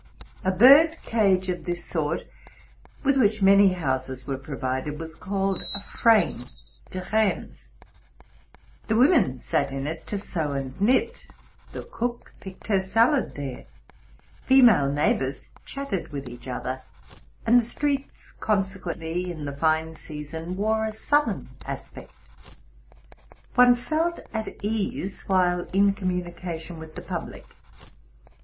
A bird cage of this sort, with which many houses were provided, was called a frame (Gerams). 'The women sat in it to sew and knit; the cook picked her salad there; female neighbors chatted with each other ; and the streets consequently, in the fine season, wore a southern aspect. One felt at ease while in communication with the public.